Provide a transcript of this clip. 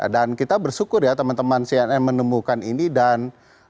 dan kita bersyukur ya teman teman cnn menemukan ini dan